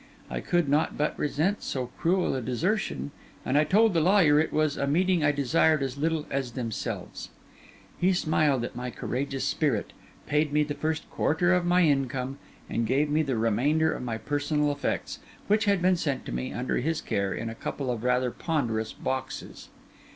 I could not but resent so cruel a desertion, and I told the lawyer it was a meeting I desired as little as themselves. He smiled at my courageous spirit, paid me the first quarter of my income, and gave me the remainder of my personal effects, which had been sent to me, under his care, in a couple of rather ponderous boxes.